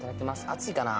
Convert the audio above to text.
熱いかな？